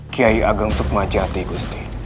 kiai ageng sukma jati gusti